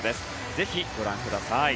ぜひご覧ください。